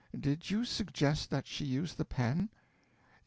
Did you suggest that she use the pen?"